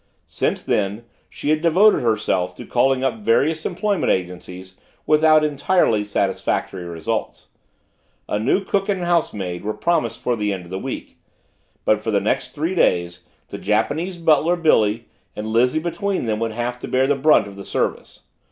Since then, she had devoted herself to calling up various employment agencies without entirely satisfactory results. A new cook and housemaid were promised for the end of the week but for the next three days the Japanese butler, Billy, and Lizzie between them would have to bear the brunt of the service.